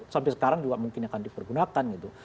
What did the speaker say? sampai sekarang juga mungkin akan dipergunakan gitu